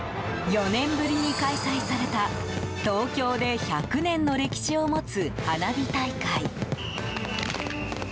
４年ぶりに開催された東京で１００年の歴史を持つ花火大会。